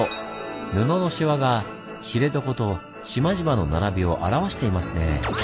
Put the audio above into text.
布のシワが知床と島々の並びを表していますね。